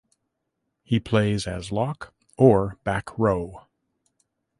He plays as lock or back row.